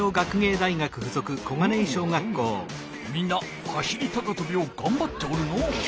ふむふむみんな走り高とびをがんばっておるのう。